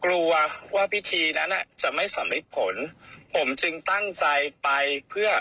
จึงตั้งใจไปเพื่อแต่น้ำหรือแตะโปะเรือก็คือตั้งใจไปแท่ให้น้ำเสร็จแล้วผมก็เดินมาที่ฐานที่โปะเรือว่า